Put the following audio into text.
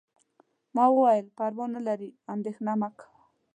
ما وویل: پروا نه لري، اندیښنه مه کوه.